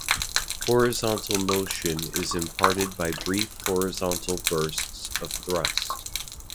Horizontal motion is imparted by brief horizontal bursts of thrust.